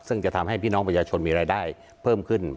ซึ่งจะทำให้พี่น้องประชาชนมีรายได้เพิ่มขึ้น